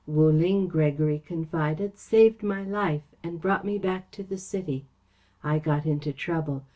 "Wu Ling," Gregory confided, "saved my life, and brought me back to the city. I got into trouble.